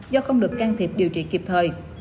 do không được can thiệp điều trị kịp thời